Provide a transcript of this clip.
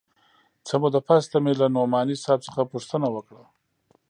څه موده پس ته مې له نعماني صاحب څخه پوښتنه وکړه.